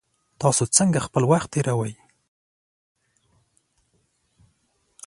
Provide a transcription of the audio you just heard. تاسو څنګه خپل وخت تیروئ؟